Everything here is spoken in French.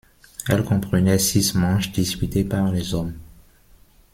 Elle comprenait six manches disputées par les hommes.